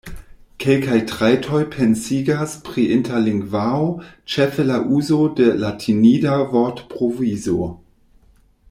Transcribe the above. Kelkaj trajtoj pensigas pri interlingvao, ĉefe la uzo de latinida vortprovizo.